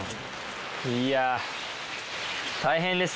いや大変ですね。